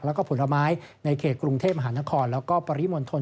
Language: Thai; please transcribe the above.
แล้วก็ผลไม้ในเขตกรุงเทพมหานครแล้วก็ปริมณฑล